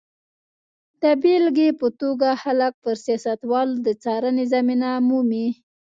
د بېلګې په توګه خلک پر سیاستوالو د څارنې زمینه مومي.